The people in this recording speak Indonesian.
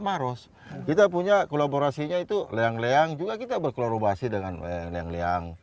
maros kita punya kolaborasinya itu leang leang juga kita berkolaborasi dengan leang leang leang